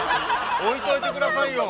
◆置いといてくださいよ。